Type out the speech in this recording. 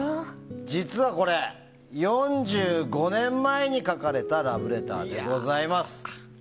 実はこれ４５年前に書かれたラブレターでございます。